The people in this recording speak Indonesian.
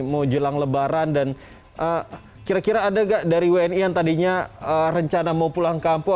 mau jelang lebaran dan kira kira ada nggak dari wni yang tadinya rencana mau pulang kampung